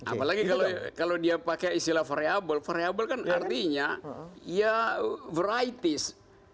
apalagi kalau dia pakai istilah variabel variabel kan artinya ya varieties